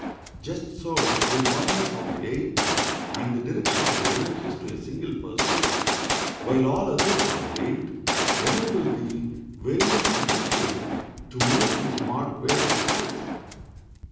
Just so will oneness of aim and the direction of the energies to a single pursuit, while all others are waived, enable the veriest weakling to make his mark where he strikes.